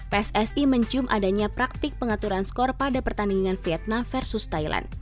pssi mencium adanya praktik pengaturan skor pada pertandingan vietnam versus thailand